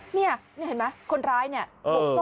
เนี่ยนี่เห็นมั้ยคนร้ายเนี่ยเออ